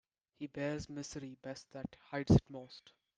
He bears misery best that hides it most.